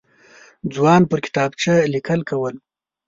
ځوان پر کتابچه لیکل کول.